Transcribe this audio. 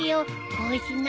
こうしない？